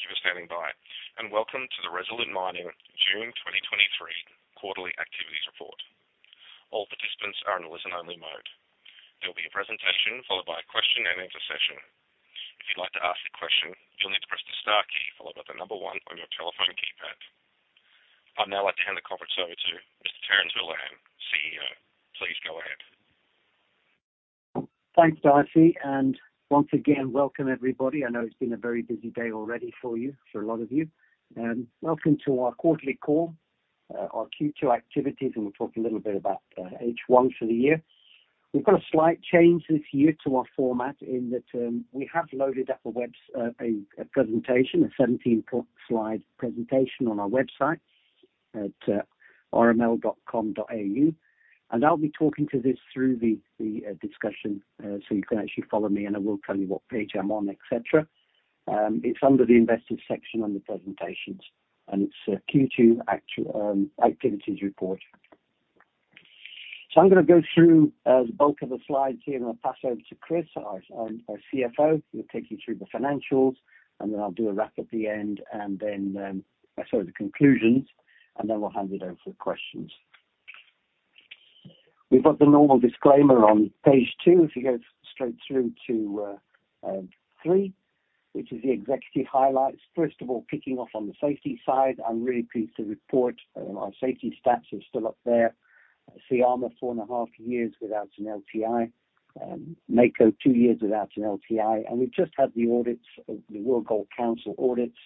Thank you for standing by, and welcome to the Resolute Mining June 2023 Quarterly Activities Report. All participants are in a listen-only mode. There will be a presentation followed by a question-and-answer session. If you'd like to ask a question, you'll need to press the star key followed by the one on your telephone keypad. I'd now like to hand the conference over to Mr. Terence Holohan, CEO. Please go ahead. Thanks, Darcy. Once again, welcome everybody. I know it's been a very busy day already for you, for a lot of you. Welcome to our quarterly call, our Q2 activities. We'll talk a little bit about H1 for the year. We've got a slight change this year to our format in that we have loaded up a 17-point slide presentation on our website at rml.com.au. I'll be talking to this through the discussion, so you can actually follow me, and I will tell you what page I'm on, et cetera. It's under the Investors section on the presentations, and it's a Q2 activities report. I am going to go through the bulk of the slides here, and I will pass over to Chris, our CFO, who will take you through the financials, and then I will do a wrap at the end, and then the conclusions, and then we will hand it over for questions. We have got the normal disclaimer on page two. If you go straight through to three, which is the executive highlights. First of all, kicking off on the safety side, I am really pleased to report, our safety stats are still up there. Syama, 4.5 years without an LTI, Mako, 2 years without an LTI, and we've just had the audits, the World Gold Council audits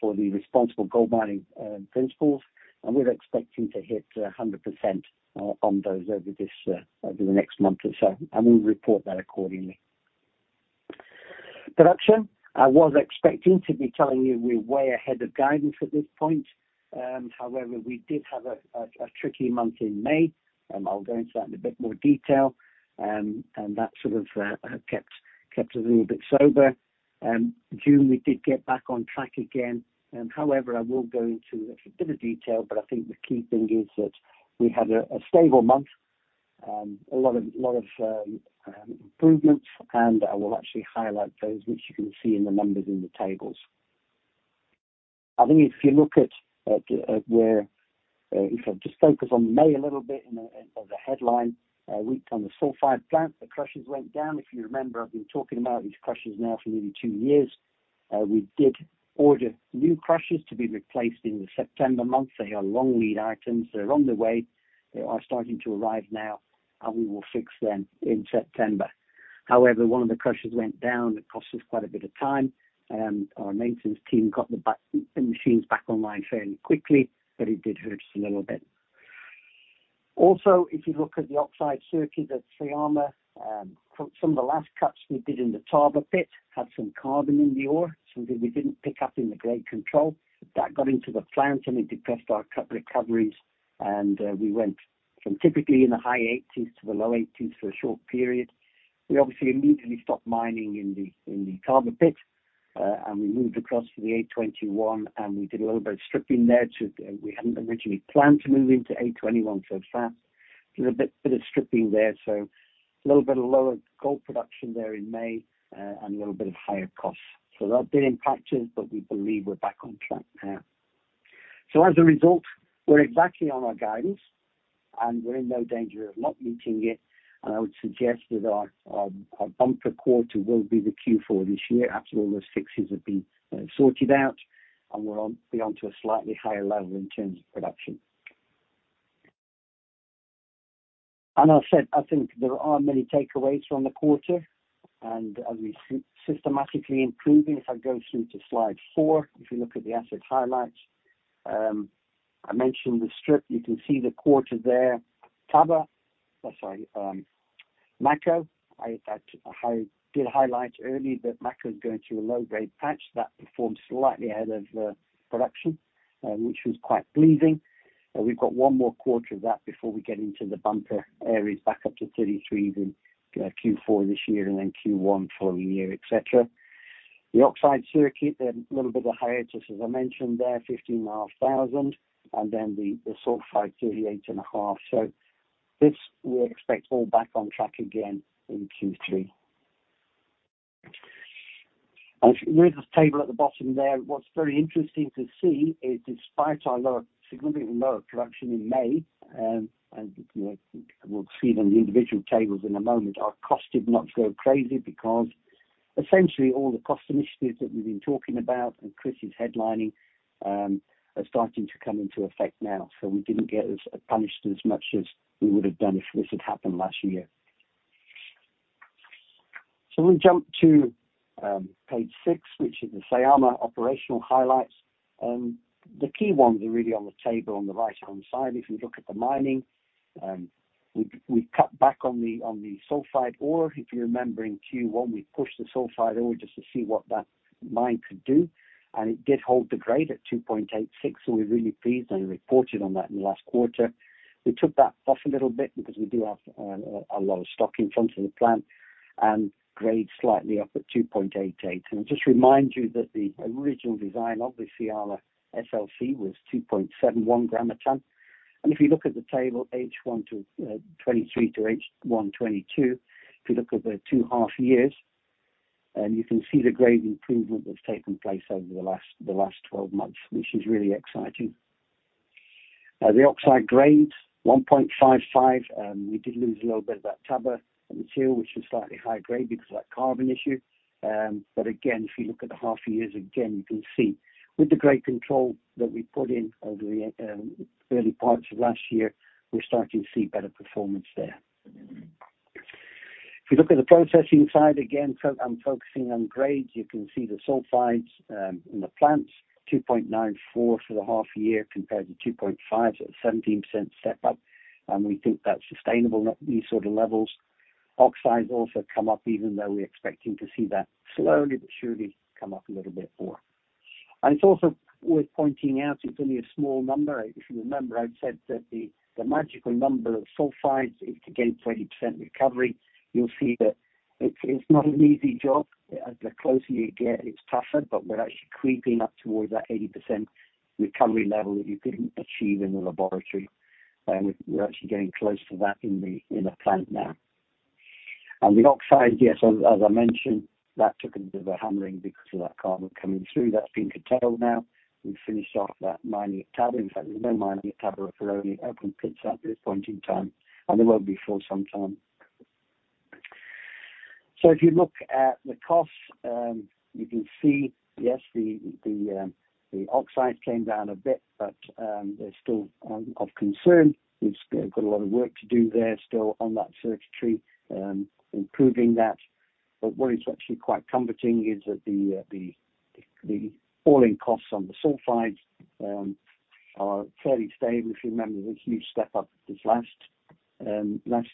for the Responsible Gold Mining Principles, and we're expecting to hit 100% on those over this over the next month or so, and we'll report that accordingly. Production. I was expecting to be telling you we're way ahead of guidance at this point. However, we did have a tricky month in May, I'll go into that in a bit more detail. That sort of kept us a little bit sober. June, we did get back on track again, however, I will go into a bit of detail, but I think the key thing is that we had a stable month, a lot of improvements, and I will actually highlight those, which you can see in the numbers in the tables. I think if you look at where, if I just focus on May a little bit as a headline, on the sulfide plant, the crushers went down. If you remember, I've been talking about these crushers now for nearly 2 years. We did order new crushers to be replaced in the September month. They are long lead items. They're on the way. They are starting to arrive now, and we will fix them in September. However, one of the crushers went down. It cost us quite a bit of time, and our maintenance team got the machines back online fairly quickly, but it did hurt us a little bit. If you look at the oxide circuit at Syama, for some of the last cuts we did in the Taba pit, had some carbon in the ore, something we didn't pick up in the grade control. That got into the plant, and it depressed our cut recoveries, and we went from typically in the high 80s to the low 80s for a short period. We obviously immediately stopped mining in the Taba pit. We moved across to the A21, and we did a little bit of stripping there to. We hadn't originally planned to move into A21 so fast. Did a bit of stripping there, so a little bit of lower gold production there in May, and a little bit of higher costs. That did impact us, but we believe we're back on track now. As a result, we're exactly on our guidance, and we're in no danger of not meeting it. I would suggest that our bumper quarter will be the Q4 this year, after all those fixes have been sorted out, and we're on, be on to a slightly higher level in terms of production. I said, I think there are many takeaways from the quarter, and as we systematically improve, if I go through to slide four, if you look at the asset highlights, I mentioned the strip. You can see the quarter there. Taba, sorry, Mako, I did highlight earlier that Mako is going through a low-grade patch that performed slightly ahead of production, which was quite pleasing. We've got 1 more quarter of that before we get into the bumper areas, back up to 33 in Q4 this year and then Q1 following year, et cetera. The oxide circuit, a little bit of a hiatus, as I mentioned there, 15,500, and then the sulfide 38.5. This we expect all back on track again in Q3. If you read this table at the bottom there, what's very interesting to see is despite our lower, significant lower production in May, and, you know, I think we'll see it on the individual tables in a moment, our cost did not go crazy because essentially all the cost initiatives that we've been talking about and Chris is headlining, are starting to come into effect now. We didn't get as punished as much as we would have done if this had happened last year. We'll jump to page six, which is the Syama operational highlights. The key ones are really on the table on the right-hand side. If you look at the mining, we've cut back on the, on the sulfide ore. If you remember in Q1, we pushed the sulfide ore just to see what that mine could do, and it did hold the grade at 2.86, so we're really pleased and reported on that in the last quarter. We took that off a little bit because we do have a lot of stock in front of the plant and grade slightly up at 2.88. Just remind you that the original design of the Syama SLC was 2.71 grams a ton. If you look at the table, H1 23 to H1 22, if you look at the 2.5 years, you can see the great improvement that's taken place over the last 12 months, which is really exciting. The oxide grade, 1.55, we did lose a little bit of that Taba material, which was slightly higher grade because of that carbon issue. Again, if you look at the half years, again, you can see with the grade control that we put in over the early parts of last year, we're starting to see better performance there. If you look at the processing side, again, I'm focusing on grades. You can see the sulfides in the plants, 2.94 for the half year compared to 2.5, a 17% step up, we think that's sustainable at these sort of levels. Oxides also come up, even though we're expecting to see that slowly but surely come up a little bit more. It's also worth pointing out, it's only a small number. If you remember, I've said that the magical number of sulfides is to get 80% recovery. You'll see that it's not an easy job. As the closer you get, it's tougher, but we're actually creeping up towards that 80% recovery level that you couldn't achieve in the laboratory, and we're actually getting close to that in the plant now. The oxides, yes, as I mentioned, that took a bit of a hammering because of that carbon coming through. That's been curtailed now. We've finished off that mining tab. In fact, there's no mining tab. We're only open pits at this point in time, and there won't be for some time. If you look at the costs, you can see, yes, the oxides came down a bit, but they're still of concern. We've still got a lot of work to do there, still on that circuitry, improving that. What is actually quite comforting is that the all-in costs on the sulfides are fairly stable. If you remember, there was a huge step up this last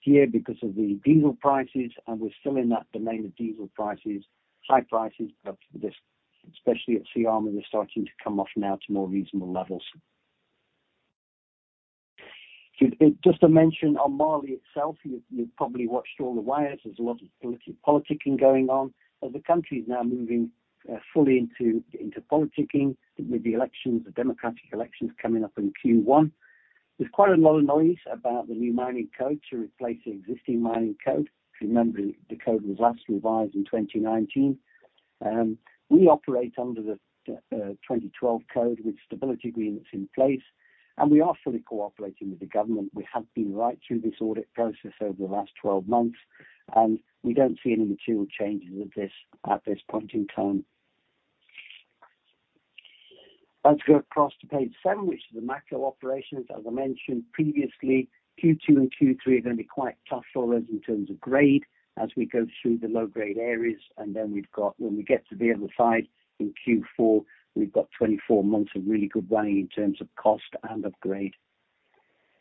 year because of the diesel prices, and we're still in that domain of diesel prices, high prices, but this especially at Syama, they're starting to come off now to more reasonable levels. Just a mention on Mali itself, you've probably watched all the wires. There's a lot of politicking going on, as the country is now moving fully into politicking with the elections, the democratic elections coming up in Q1. There's quite a lot of noise about the new Mining Code to replace the existing Mining Code. If you remember, the Mining Code was last revised in 2019. We operate under the 2012 Mining Code with stability agreements in place. We are fully cooperating with the government. We have been right through this audit process over the last 12 months. We don't see any material changes at this point in time. Let's go across to page seven, which is the Mako operations. As I mentioned previously, Q2 and Q3 are gonna be quite tough for us in terms of grade as we go through the low-grade areas, and then When we get to the other side in Q4, we've got 24 months of really good running in terms of cost and of grade.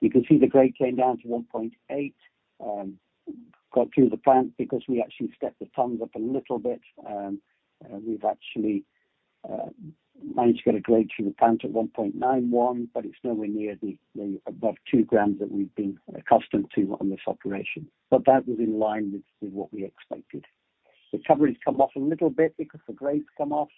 You can see the grade came down to 1.8, got through the plant because we actually stepped the tons up a little bit, and we've actually managed to get a grade through the plant at 1.91, but it's nowhere near the above 2 grams that we've been accustomed to on this operation. That was in line with what we expected. Recovery's come off a little bit because the grades come off,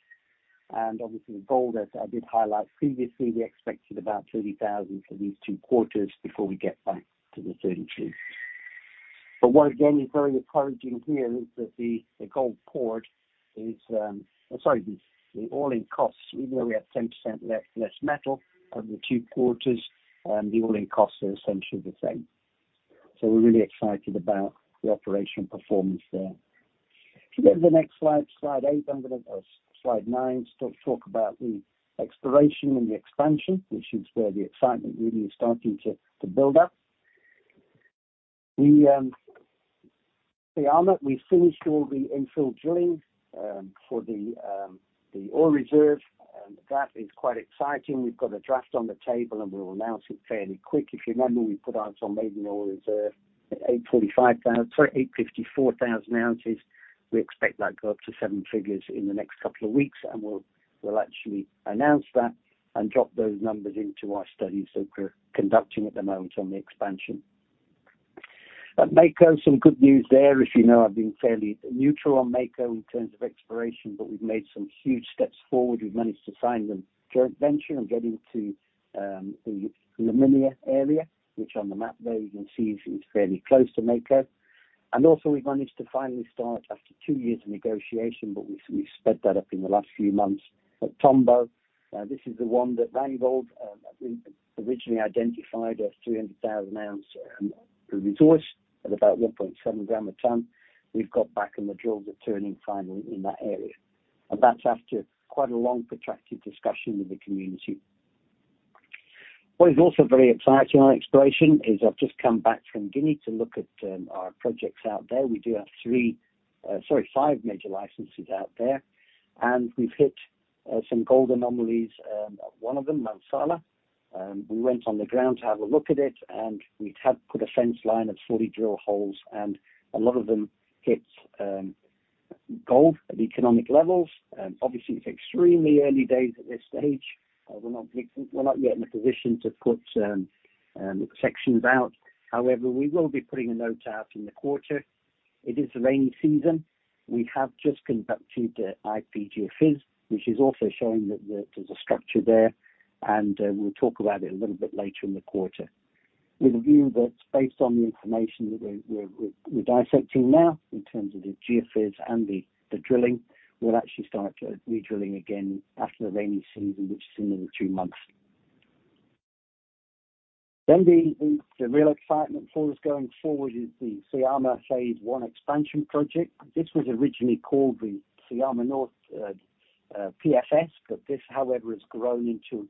and obviously, the gold, as I did highlight previously, we expected about 30,000 for these two quarters before we get back to the 32. What again, is very encouraging here is that the gold poured is, sorry, the all-in costs, even though we had 10% less metal over the two quarters, the all-in costs are essentially the same. We're really excited about the operational performance there. If you go to the next slide eight, I'm gonna slide nine, start to talk about the exploration and the expansion, which is where the excitement really is starting to build up. We, Syama, we finished all the infill drilling for the ore reserve, that is quite exciting. We've got a draft on the table, we'll announce it fairly quick. If you remember, we put out on maiden ore reserve, 845,000 ounces, sorry, 854,000 ounces. We expect that to go up to seven figures in the next couple of weeks, we'll actually announce that and drop those numbers into our studies that we're conducting at the moment on the expansion. At Mako, some good news there. As you know, I've been fairly neutral on Mako in terms of exploration, but we've made some huge steps forward. We've managed to sign the joint venture and get into the Laminia area, which on the map there, you can see is fairly close to Mako. Also we've managed to finally start after 2 years of negotiation, but we've sped that up in the last few months. At Tombo, this is the one that Randgold we originally identified as 300,000 ounce resource at about 1.7 gram a ton. We've got back in the drills are turning finally in that area, and that's after quite a long, protracted discussion with the community. What is also very exciting on exploration is I've just come back from Guinea to look at our projects out there. We do have five major licenses out there, and we've hit some gold anomalies at one of them, Mansala. We went on the ground to have a look at it, and we've put a fence line of 40 drill holes, and a lot of them hit gold at economic levels. Obviously, it's extremely early days at this stage. We're not yet in a position to put sections out. We will be putting a note out in the quarter. It is the rainy season. We have just conducted the IP geophys, which is also showing that there's a structure there. We'll talk about it a little bit later in the quarter. With a view that's based on the information that we're dissecting now, in terms of the geophys and the drilling, we'll actually start redrilling again after the rainy season, which is in another two months. The real excitement for us going forward is the Syama Phase I Expansion Project. This was originally called the Syama North PFS, but this, however, has grown into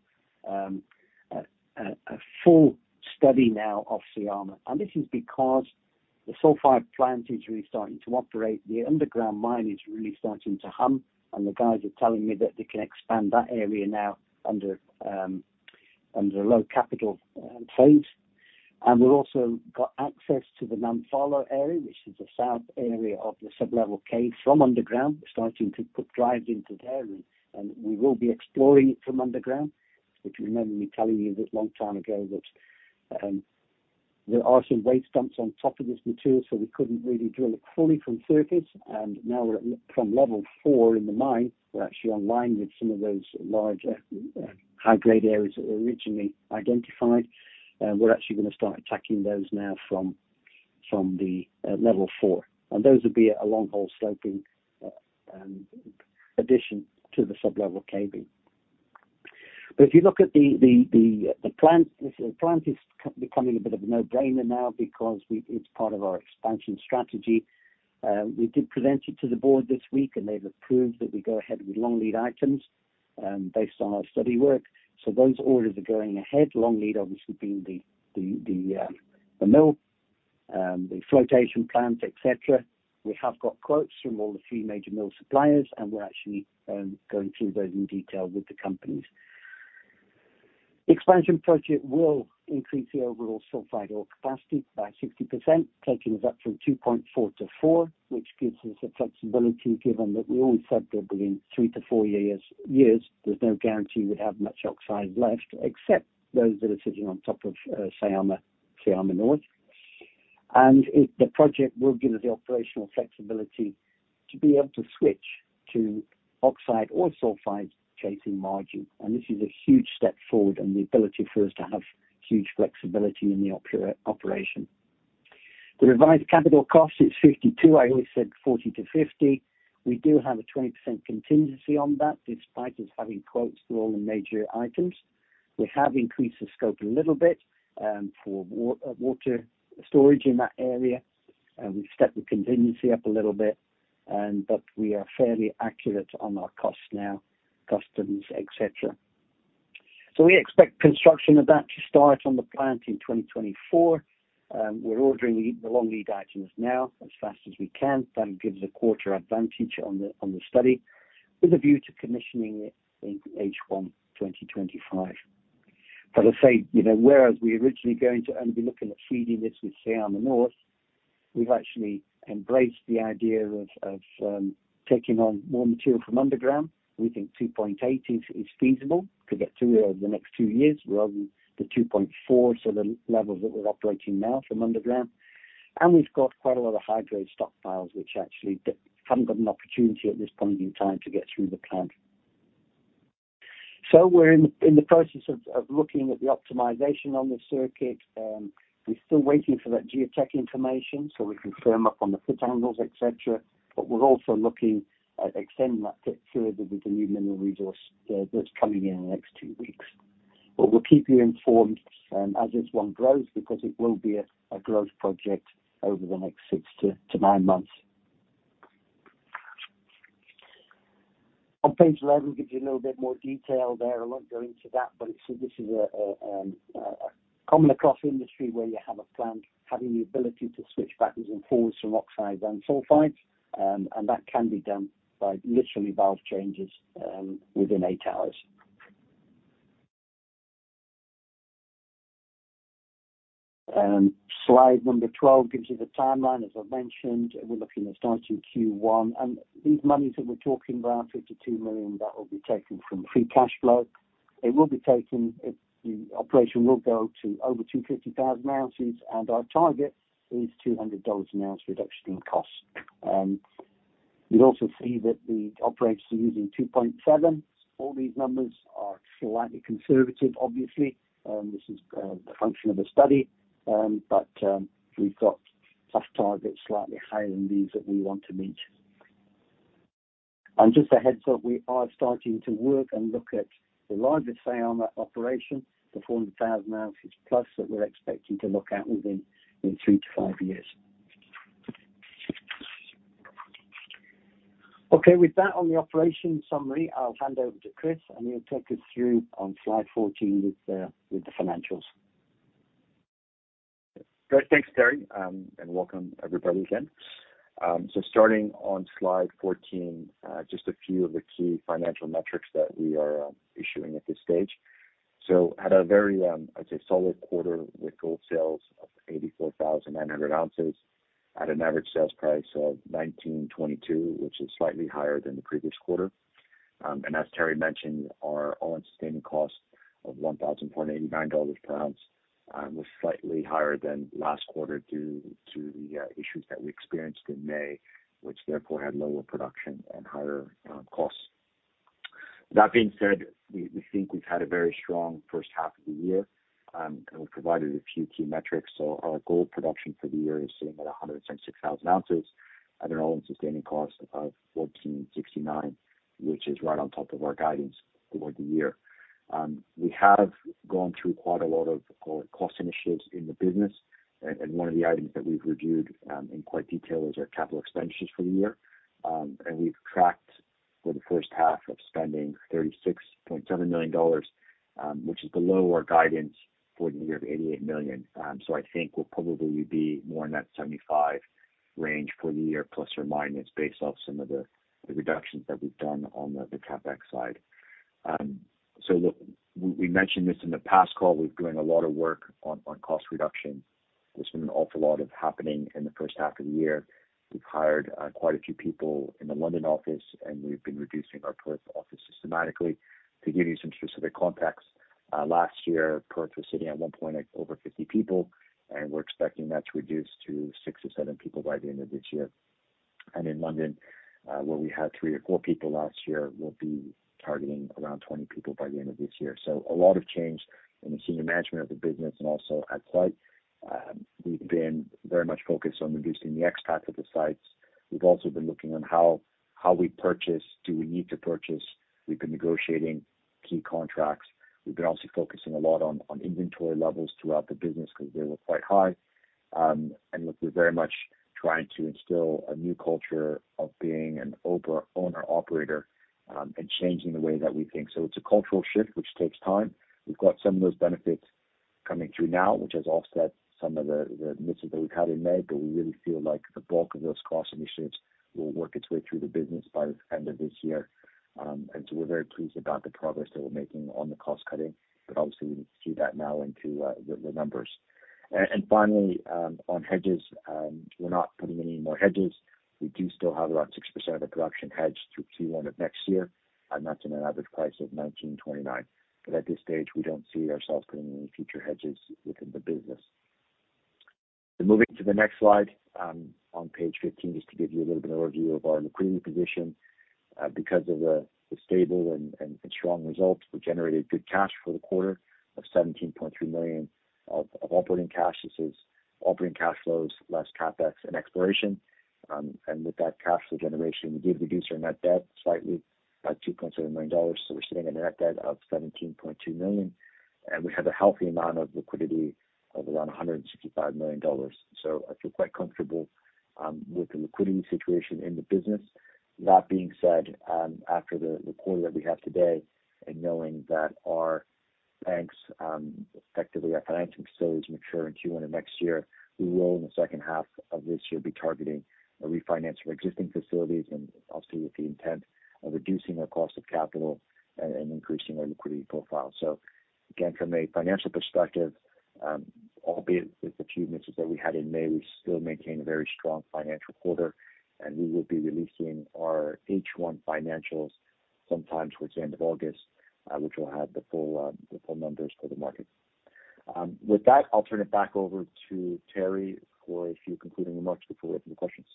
a full study now of Syama. This is because the sulfide plant is really starting to operate. The underground mine is really starting to hum, and the guys are telling me that they can expand that area now under low capital trade. We've also got access to the Nampala area, which is the south area of the sublevel cave from underground. We're starting to put drives into there, and we will be exploring it from underground, which you remember me telling you a long time ago that there are some waste dumps on top of this material, so we couldn't really drill it fully from surface. Now we're at from level four in the mine, we're actually online with some of those large high-grade areas that were originally identified, and we're actually gonna start attacking those now from the level four. Those would be a long hole stoping addition to the sublevel caving. If you look at the plant, the plant is becoming a bit of a no-brainer now because it's part of our expansion strategy. We did present it to the board this week, and they've approved that we go ahead with long lead items, based on our study work. Those orders are going ahead, long lead obviously being the mill, the flotation plant, et cetera. We have got quotes from all the three major mill suppliers, and we're actually going through those in detail with the companies. Expansion project will increase the overall sulfide ore capacity by 60%, taking us up from 2.4 to 4, which gives us the flexibility, given that we all said that within 3 years-4 years, there's no guarantee we'd have much oxide left, except those that are sitting on top of Syama North. The project will give us the operational flexibility to be able to switch to oxide or sulfide-chasing margin. This is a huge step forward and the ability for us to have huge flexibility in the operation. The revised capital cost is $52 million. I always said $40 million-$50 million. We do have a 20% contingency on that, despite us having quotes for all the major items. We have increased the scope a little bit for water storage in that area, and we've stepped the contingency up a little bit, and but we are fairly accurate on our costs now, customs, et cetera. We expect construction of that to start on the plant in 2024. We're ordering the long lead items now, as fast as we can. That gives a quarter advantage on the study, with a view to commissioning it in H1 2025. I'd say, you know, whereas we're originally going to only be looking at feeding this with Syama North, we've actually embraced the idea of taking on more material from underground. We think 2.8 is feasible, could get through over the next 2 years, rather than the 2.4, so the levels that we're operating now from underground. We've got quite a lot of high-grade stockpiles, which actually haven't got an opportunity at this point in time to get through the plant. We're in the process of looking at the optimization on the circuit, we're still waiting for that geotech information so we can firm up on the footwall angles, et cetera. We're also looking at extending that pit further with the new mineral resource that's coming in the next two weeks. We'll keep you informed as this one grows, because it will be a growth project over the next six to nine months. On page 11, gives you a little bit more detail there. I'll not go into that, but this is a common across industry where you have a plant having the ability to switch backwards and forwards from oxides and sulfides, and that can be done by literally valve changes within eight hours. Slide number 12 gives you the timeline. As I've mentioned, we're looking at starting Q1. These monies that we're talking about, $52 million, that will be taken from free cash flow. It will be taken. The operation will go to over 250,000 ounces, and our target is $200 an ounce reduction in cost. You'll also see that the operators are using 2.7. All these numbers are slightly conservative, obviously, this is the function of the study, but we've got tough targets, slightly higher than these, that we want to meet. Just a heads up, we are starting to work and look at the larger sale on that operation, the 400,000 ounces plus, that we're expecting to look at within 3 years-5 years. Okay, with that, on the operation summary, I'll hand over to Chris, and he'll take us through on slide 14 with the financials. Great. Thanks, Terry, welcome everybody again. Starting on slide 14, just a few of the key financial metrics that we are issuing at this stage. At a very, I'd say solid quarter with gold sales of 84,100 ounces at an average sales price of $1,922, which is slightly higher than the previous quarter. As Terry mentioned, our all-in sustaining cost of $1,000.89 per ounce was slightly higher than last quarter, due to the issues that we experienced in May, which therefore had lower production and higher costs. That being said, we think we've had a very strong first half of the year. We've provided a few key metrics. Our gold production for the year is sitting at 176,000 ounces at an all-in sustaining cost of $1,469, which is right on top of our guidance for the year. We have gone through quite a lot of co-cost initiatives in the business, and one of the items that we've reviewed in quite detail is our capital expenditures for the year. We've tracked for the first half of spending $36.7 million, which is below our guidance for the year of $88 million. I think we'll probably be more in that $75 million range for the year, plus or minus, based off some of the reductions that we've done on the CapEx side. Look, we mentioned this in the past call. We're doing a lot of work on cost reduction. There's been an awful lot of happening in the first half of the year. We've hired, quite a few people in the London office, and we've been reducing our Perth office systematically. To give you some specific context, last year, Perth was sitting at one point at over 50 people, and we're expecting that to reduce to six or seven people by the end of this year. In London, where we had three or four people last year, we'll be targeting around 20 people by the end of this year. A lot of change in the senior management of the business and also at site. We've been very much focused on reducing the expat of the sites. We've also been looking on how we purchase, do we need to purchase? We've been negotiating key contracts. We've been also focusing a lot on inventory levels throughout the business because they were quite high. Look, we're very much trying to instill a new culture of being an owner-operator, and changing the way that we think. It's a cultural shift, which takes time. We've got some of those benefits coming through now, which has offset some of the misses that we've had in May, but we really feel like the bulk of those cost initiatives will work its way through the business by the end of this year. We're very pleased about the progress that we're making on the cost cutting, but obviously we see that now into the numbers. Finally, on hedges, we're not putting any more hedges. We do still have about 6% of the production hedged to Q1 of next year. That's in an average price of $1,929. At this stage, we don't see ourselves putting any future hedges within the business. Moving to the next slide, on page 15, just to give you a little bit of overview of our liquidity position. Because of the stable and strong results, we generated good cash for the quarter of $17.3 million of operating cash. This is operating cash flows, less CapEx and exploration. With that cash flow generation, we did reduce our net debt slightly by $2.7 million, so we're sitting a net debt of $17.2 million, and we have a healthy amount of liquidity of around $165 million. I feel quite comfortable with the liquidity situation in the business. That being said, after the quarter that we have today, and knowing that our banks, effectively our financing facilities mature in Q1 of next year, we will, in the second half of this year, be targeting a refinance for existing facilities and obviously with the intent of reducing our cost of capital and increasing our liquidity profile. Again, from a financial perspective, albeit with the few misses that we had in May, we still maintain a very strong financial quarter, and we will be releasing our H1 financials sometime towards the end of August, which will have the full numbers for the market. With that, I'll turn it back over to Terry for a few concluding remarks before we open the questions.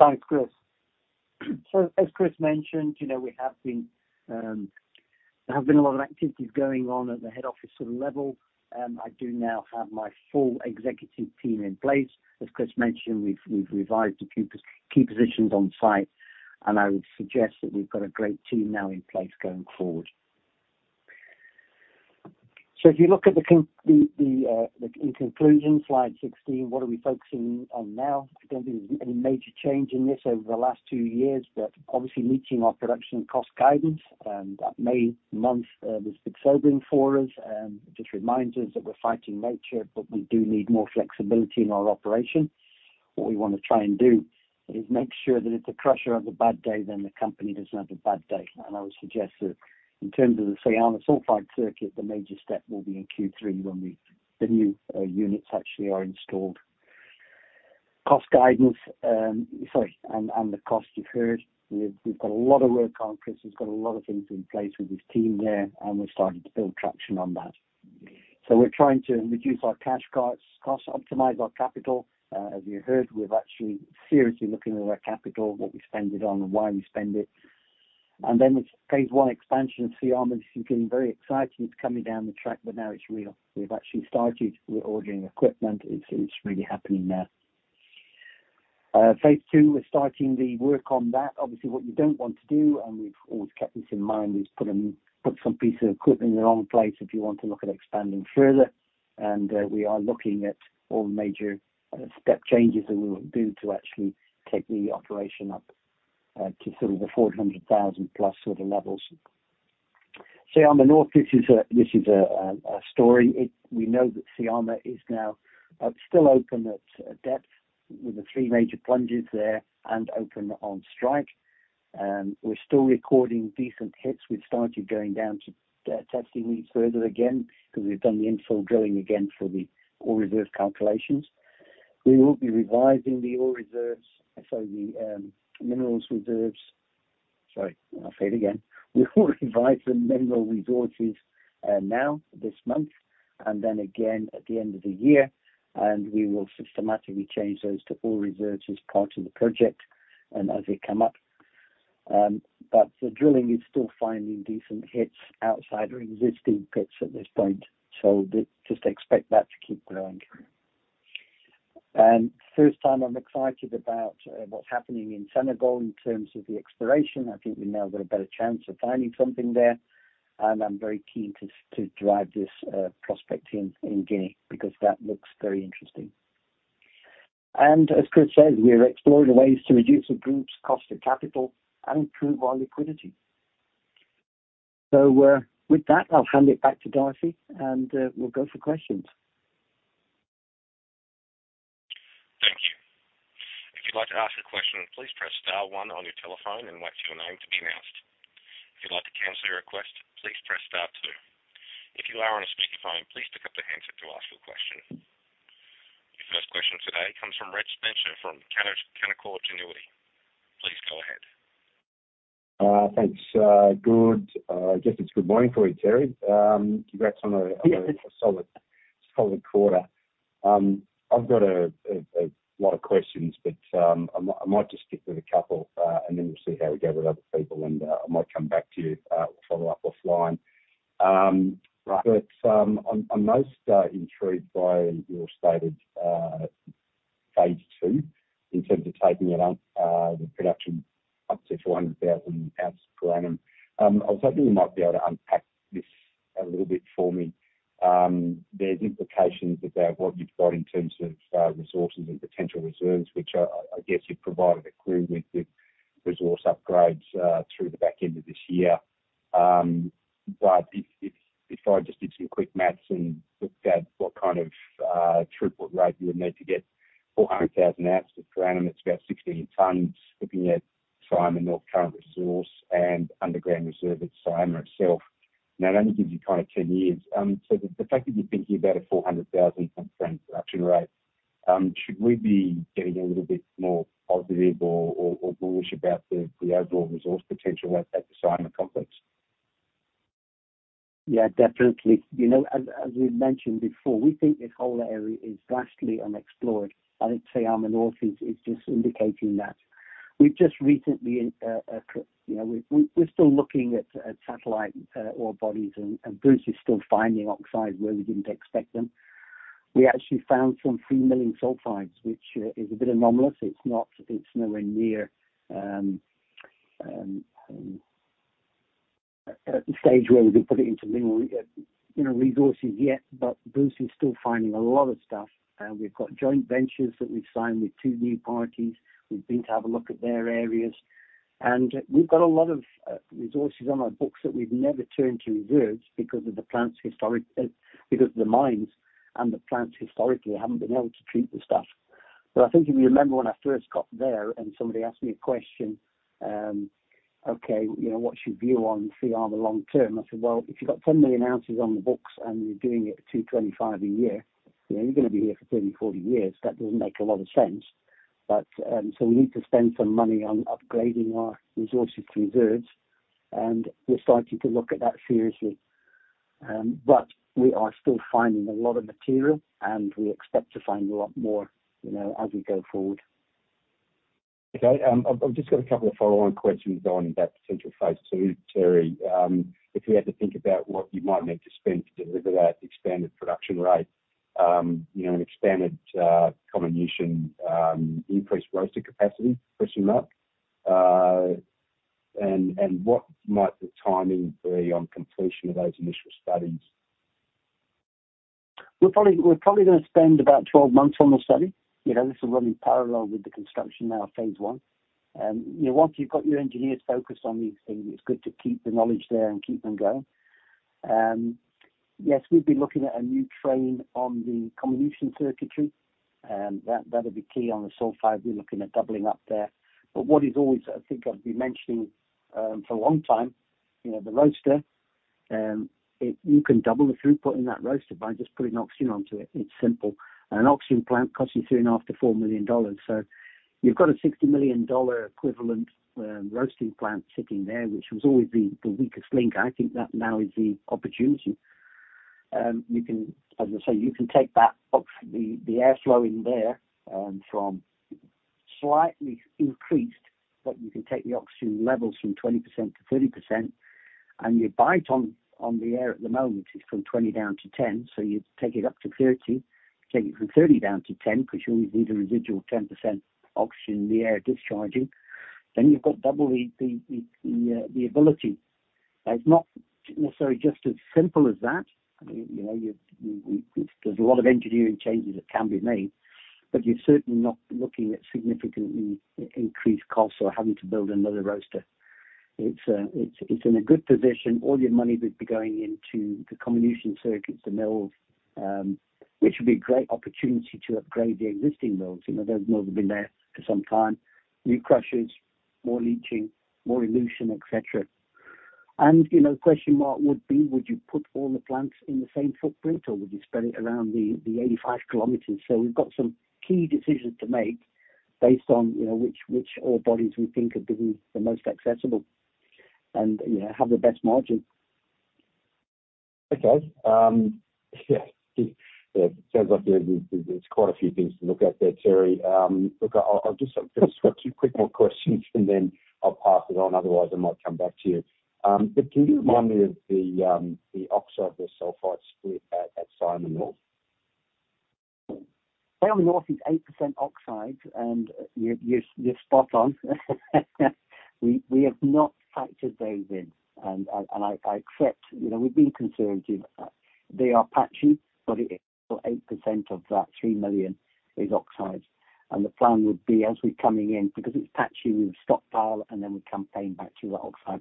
Thanks, Chris. As Chris mentioned, you know, we have been, there have been a lot of activities going on at the head office sort of level, and I do now have my full executive team in place. As Chris mentioned, we've revised a few key positions on site, and I would suggest that we've got a great team now in place going forward. If you look at the in conclusion, slide 16, what are we focusing on now? I don't think there's any major change in this over the last 2 years, but obviously meeting our production and cost guidance, and that May month was sobering for us. It just reminds us that we're fighting nature, but we do need more flexibility in our operation. What we wanna try and do is make sure that if the crusher has a bad day, then the company doesn't have a bad day. I would suggest that in terms of the Syama sulfide circuit, the major step will be in Q3 when the new units actually are installed. Cost guidance, sorry, and the cost you've heard, we've got a lot of work on. Chris has got a lot of things in place with his team there, and we're starting to build traction on that. We're trying to reduce our cash costs, cost optimize our capital. As you heard, we're actually seriously looking at our capital, what we spent it on and why we spend it. Then it's Phase I expansion of Syama. This is getting very exciting. It's coming down the track, but now it's real. We've actually started. We're ordering equipment. It's really happening now. Phase 2, we're starting the work on that. Obviously, what you don't want to do, and we've always kept this in mind, is put some pieces of equipment in the wrong place if you want to look at expanding further, and we are looking at all major step changes that we will do to actually take the operation up to sort of the 400,000+ sort of levels. Syama North, this is a story. We know that Syama is now still open at depth with the three major plunges there and open on strike. We're still recording decent hits. We've started going down to testing these further again, because we've done the infill drilling again for the ore reserve calculations. We will be revising the ore reserves, sorry, the minerals reserves. Sorry, I'll say it again. We will revise the mineral resources now this month and then again at the end of the year, and we will systematically change those to ore reserves as part of the project and as they come up. The drilling is still finding decent hits outside our existing pits at this point, so just expect that to keep growing. First time I'm excited about what's happening in Senegal in terms of the exploration. I think we've now got a better chance of finding something there, and I'm very keen to drive this prospect team in Guinea, because that looks very interesting. As Chris said, we are exploring the ways to reduce the group's cost of capital and improve our liquidity. With that, I'll hand it back to Darcy, we'll go for questions. Thank you. If you'd like to ask a question, please press star 1 on your telephone and wait for your name to be announced. If you'd like to cancel your request, please press star two. If you are on a speakerphone, please pick up the handset to ask your question. Your first question today comes from Richard Hatch, from Canaccord Genuity. Please go ahead. Thanks. Good, I guess it's good morning for you, Terry. Congrats on a solid quarter. I've got a lot of questions, but I might just stick with a couple, and then we'll see how we go with other people, and I might come back to you or follow up offline. Right. I'm most intrigued by your stated Phase 2 in terms of taking it on the production up to 400,000 ounces per annum. I was hoping you might be able to unpack this a little bit for me. There's implications about what you've got in terms of resources and potential reserves, which I guess you've provided a clue with the resource upgrades through the back end of this year. If I just did some quick maths and looked at what kind of throughput rate you would need to get 400,000 ounces per annum, it's about 16 tons. Looking at Syama North current resource and underground reserve at Syama itself, and that only gives you kind of 10 years. The fact that you're thinking about a 400,000 ton production rate, should we be getting a little bit more positive or bullish about the overall resource potential at the Syama complex? Yeah, definitely. You know, as we've mentioned before, we think this whole area is vastly unexplored. I think Syama North is just indicating that. We've just recently, you know, we're still looking at satellite ore bodies, and Bruce is still finding oxides where we didn't expect them. We actually found some free milling sulfides, which is a bit anomalous. It's nowhere near at the stage where we can put it into mineral, you know, resources yet. Bruce is still finding a lot of stuff, and we've got joint ventures that we've signed with two new parties. We've been to have a look at their areas, and we've got a lot of resources on our books that we've never turned to reserves because of the plant's historic, because the mines and the plants historically haven't been able to treat the stuff. I think if you remember when I first got there and somebody asked me a question: Okay, you know, what's your view on Syama long term? I said, "Well, if you've got 10 million ounces on the books and you're doing it at $225 a year, you know you're gonna be here for 30 years, 40 years. That doesn't make a lot of sense. We need to spend some money on upgrading our resources to reserves, and we're starting to look at that seriously. We are still finding a lot of material, and we expect to find a lot more, you know, as we go forward. Okay. I've just got a couple of follow-on questions on that potential Phase 2, Terry. If you had to think about what you might need to spend to deliver that expanded production rate, you know, an expanded comminution, increased roaster capacity, first thing up, and what might the timing be on completion of those initial studies? We're probably gonna spend about 12 months on the study. You know, this will run in parallel with the construction of Phase 1. You know, once you've got your engineers focused on these things, it's good to keep the knowledge there and keep them going. Yes, we'd be looking at a new train on the comminution circuitry, and that'd be key on the sulfide. We're looking at doubling up there. What is always, I think I've been mentioning, for a long time, you know, the roaster, you can double the throughput in that roaster by just putting oxygen onto it. It's simple. An oxygen plant costs you $3.5 million-$4 million. You've got a $60 million equivalent, roasting plant sitting there, which was always the weakest link. I think that now is the opportunity. You can, as I say, you can take that up, the air flowing there, from slightly increased, but you can take the oxygen levels from 20%-30%, and your bite on the air at the moment is from 20% down to 10%, so you take it up to 30%, take it from 30% down to 10%, 'cause you'll need a residual 10% oxygen in the air discharging, then you've got double the ability. It's not necessarily just as simple as that. You know, there's a lot of engineering changes that can be made, but you're certainly not looking at significantly increased costs or having to build another roaster. It's, it's in a good position. All your money would be going into the comminution circuits, the mills, which would be a great opportunity to upgrade the existing mills. You know, those mills have been there for some time. New crushers, more leaching, more elution, et cetera. You know, question mark would be: Would you put all the plants in the same footprint, or would you spread it around the 85 km? We've got some key decisions to make based on, you know, which ore bodies we think are going to be the most accessible and have the best margin. Okay, yeah. It sounds like there's quite a few things to look at there, Terry. Look, I'll just, I've got two quick more questions, and then I'll pass it on. Otherwise, I might come back to you. Can you remind me of the oxide, the sulfide split at Syama North? Syama North is 8% oxide, you're spot on. We have not factored those in. I accept, you know, we've been conservative. They are patchy, but 8% of that $3 million is oxides. The plan would be as we're coming in, because it's patchy, we would stockpile, and then we campaign back to the oxide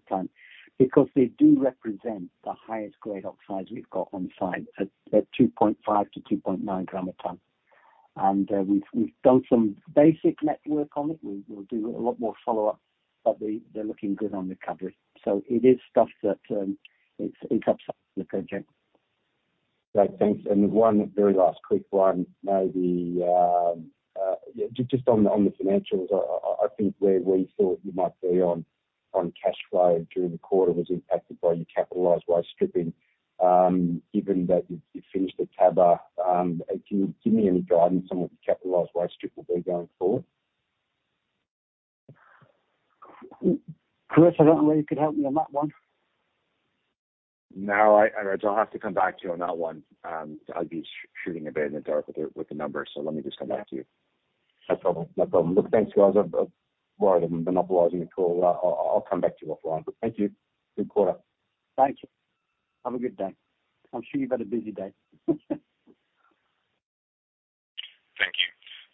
plant. They do represent the highest grade oxides we've got on site at 2.5 g/t-2.9 g/t. We've done some basic network on it. We'll do a lot more follow-up, but they're looking good on recovery. It is stuff that it's upside the project. Great, thanks. One very last quick one, maybe, just on the financials. I think where we thought you might be on cash flow during the quarter was impacted by your capitalized waste stripping. Given that you finished the Taba, can you give me any guidance on what the capitalized waste strip will be going forward? Chris, I don't know if you could help me on that one. No, I'll have to come back to you on that one. I'd be shooting a bit in the dark with the numbers, let me just come back to you. No problem. No problem. Look, thanks, guys. I've worried I'm monopolizing the call. Well, I'll come back to you offline. Thank you. Good quarter. Thank you. Have a good day. I'm sure you've had a busy day. Thank you.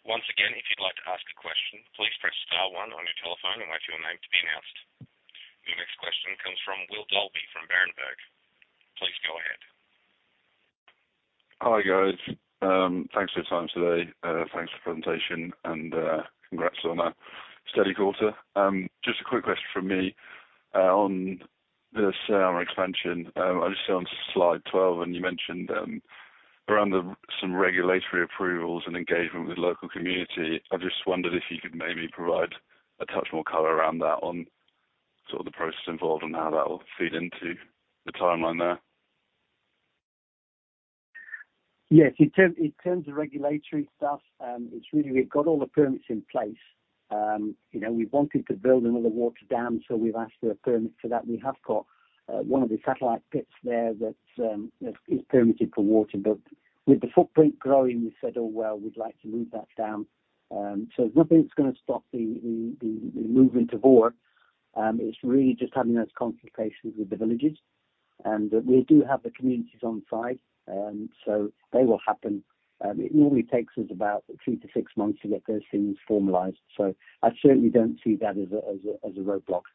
Once again, if you'd like to ask a question, please press star one on your telephone and wait for your name to be announced. The next question comes from William Dalby from Berenberg. Please go ahead. Hi, guys. Thanks for your time today. Thanks for the presentation, and congrats on a steady quarter. Just a quick question from me. On the Syama Phase I Expansion, I just saw on slide 12, and you mentioned around the some regulatory approvals and engagement with local community. I just wondered if you could maybe provide a touch more color around that on sort of the process involved and how that will feed into the timeline there. Yes, in terms of regulatory stuff, it's really we've got all the permits in place. You know, we wanted to build another water dam, we've asked for a permit for that. We have got one of the satellite pits there that is permitted for water. With the footprint growing, we said, "Oh, well, we'd like to move that down." Nothing's gonna stop the move into ore. It's really just having those conversations with the villages. We do have the communities on site, they will happen. It normally takes us about three to six months to get those things formalized, I certainly don't see that as a roadblock.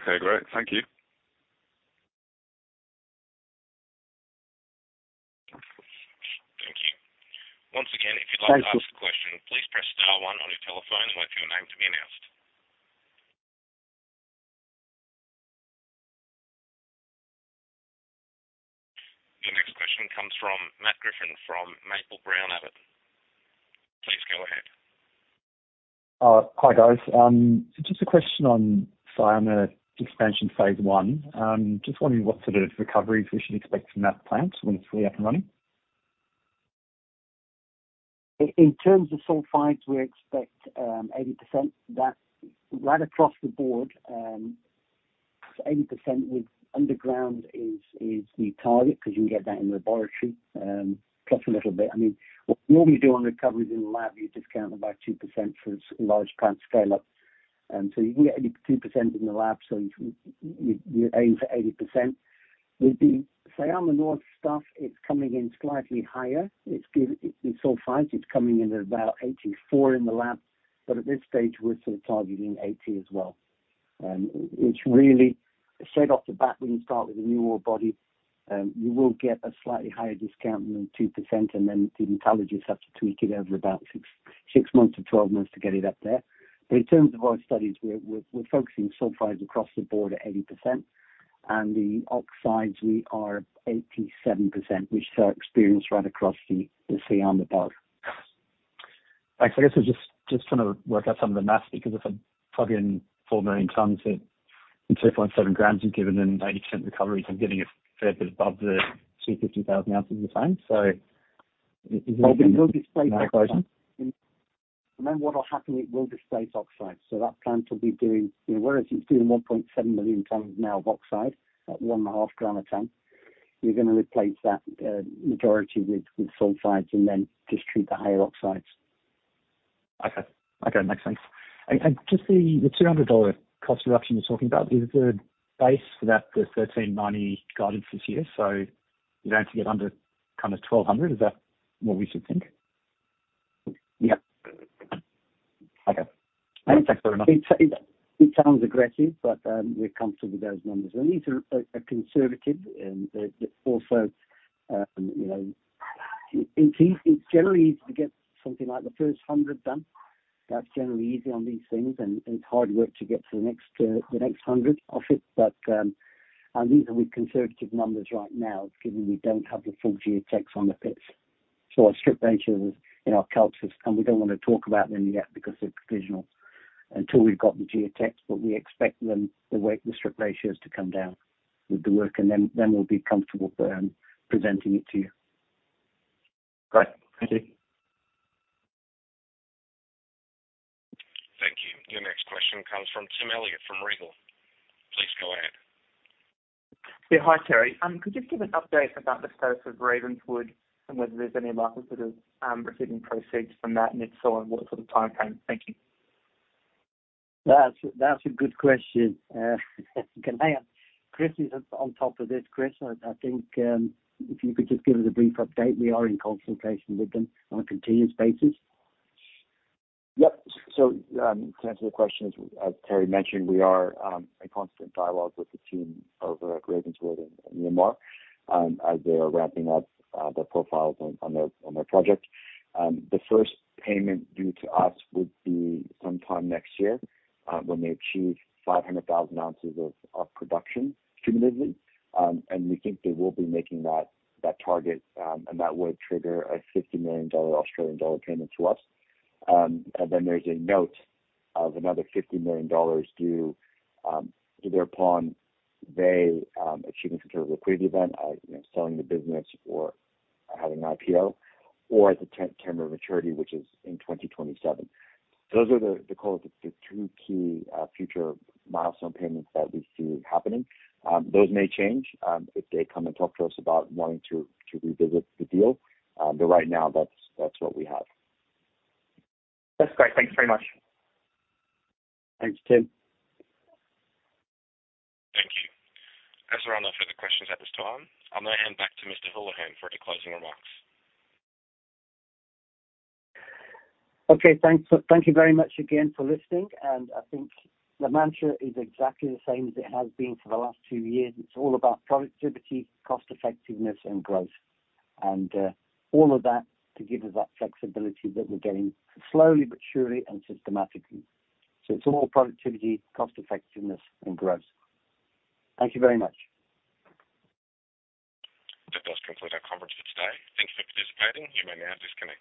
Okay, great. Thank you. Thank you. Once again, if you'd like- Thank you. -to ask a question, please press star one on your telephone and wait for your name to be announced. The next question comes from Matt Griffin, from Maple-Brown Abbott. Please go ahead. Hi, guys. Just a question on Syama Phase I Expansion. Just wondering what sort of recoveries we should expect from that plant when it's fully up and running? In terms of sulfides, we expect 80%. That's right across the board, so 80% with underground is the target, 'cause you can get that in the laboratory, plus a little bit. I mean, what normally you do on recoveries in the lab, you discount about 2% for large plant scale-up, and so you can get 82% in the lab, so you aim for 80%. With the Syama North stuff, it's coming in slightly higher. In sulfides, it's coming in at about 84 in the lab, but at this stage, we're sort of targeting 80 as well. It's really straight off the bat when you start with a new ore body, you will get a slightly higher discount than 2%, and then the metallurgists have to tweak it over about 6 months-2 months to get it up there. In terms of our studies, we're focusing sulfides across the board at 80%, and the oxides, we are 87%, which is our experience right across the Syama. Thanks. I guess I was just trying to work out some of the math, because if I plug in 4 million tons at 2.7 grams, you've given them 80% recoveries, I'm getting a fair bit above the 250,000 ounces of fine. Is it? It will display. Am I close? What will happen, it will display oxides. That plant will be doing, you know, whereas it's doing 1.7 million tons now of oxide, at 1.5 gram a ton, you're gonna replace that, majority with sulfides and then just treat the higher oxides. Okay. Okay, makes sense. Just the $200 cost reduction you're talking about, is it a good base for that, the $1,390 guidance this year? You're going to get under kind of $1,200, is that what we should think? Yeah. Okay. Thanks very much. It sounds aggressive, but we're comfortable with those numbers. These are a conservative, also, you know. It's generally easy to get something like the first 100 done. That's generally easy on these things, and it's hard work to get to the next 100 of it. These are with conservative numbers right now, given we don't have the full geotechs on the pits. Our strip ratios in our calcs, and we don't want to talk about them yet because they're provisional until we've got the geotechs, but we expect them, the weight, the strip ratios to come down with the work, and then we'll be comfortable presenting it to you. Great. Thank you. Thank you. Your next question comes from Tim Elliott from Regal. Please go ahead. Yeah. Hi, Terry. Could you give an update about the status of Ravenswood and whether there's any likelihood of receiving proceeds from that, and if so, what sort of timeframe? Thank you. That's a good question. Chris is on top of this. Chris, I think, if you could just give us a brief update. We are in consultation with them on a continuous basis. Yep. To answer the question, as Terry mentioned, we are in constant dialogue with the team over at Ravenswood in Queensland, as they are ramping up their profiles on their project. The first payment due to us would be sometime next year, when they achieve 500,000 ounces of production cumulatively. We think they will be making that target. That would trigger an 50 million Australian dollar payment to us. There's a note of another 50 million dollars due either upon they achieving some sort of liquidity event, you know, selling the business or having an IPO or at the tenure maturity, which is in 2027. Those are the call, the two key future milestone payments that we see happening. Those may change if they come and talk to us about wanting to revisit the deal. Right now, that's what we have. That's great. Thank you very much. Thanks, Tim. Thank you. As there are no further questions at this time, I'm going to hand back to Mr. Holohan for the closing remarks. Okay. Thanks. Thank you very much again for listening, and I think the mantra is exactly the same as it has been for the last 2 years. It's all about productivity, cost effectiveness, and growth, and all of that to give us that flexibility that we're getting slowly but surely and systematically. It's all productivity, cost effectiveness, and growth. Thank you very much. That does conclude our conference for today. Thank you for participating. You may now disconnect.